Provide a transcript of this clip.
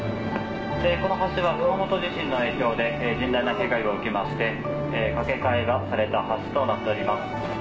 この橋は熊本地震の影響で甚大な被害を受けまして架け替えがされた橋となっております。